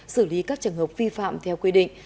xử lý các trường hợp vi phạm theo quy định